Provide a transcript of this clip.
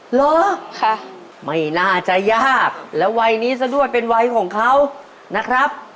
เหรอไม่น่าจะยากนะครับ